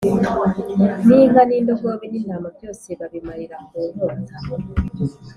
n’inka n’indogobe n’intama, byose babimarira ku nkota.